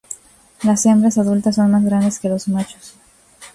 Las hembras adultas son más grandes que los machos.